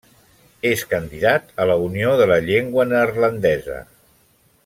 És candidat a la Unió de la Llengua Neerlandesa.